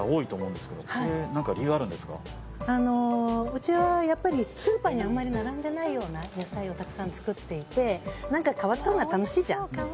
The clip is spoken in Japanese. うちはスーパーにあんまり並んでないような野菜をたくさん作っていて何か変わったほうが楽しいじゃん。